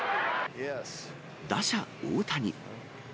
打者大谷。